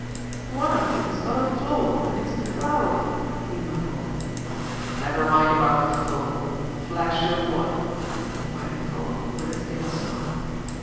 "One of these has got a flaw, and it's cloudy," he mumbled. "Never mind about the flaw! Flash your wad!" invited Thorold, with a thin smile.